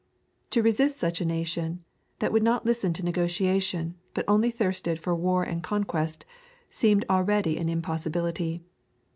To resist such a nation, that would not listen to negotiation, but only thirsted for war and conquest, seemed already an impossibility.